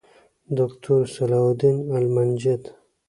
دوکتور صلاح الدین المنجد